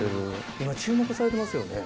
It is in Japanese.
今注目されてますよね。